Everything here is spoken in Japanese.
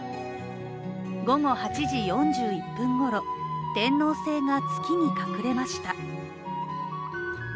午後８時４１分ごろ、天王星が月に隠れました。